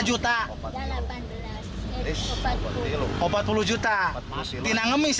uang sepuluh juta tidak mengemis